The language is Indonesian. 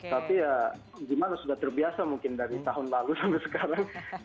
tapi ya gimana sudah terbiasa mungkin dari tahun lalu sampai sekarang